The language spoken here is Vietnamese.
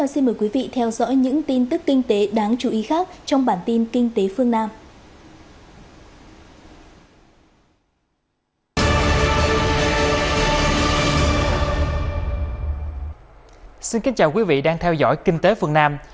xin kính chào quý vị đang theo dõi kinh tế phương nam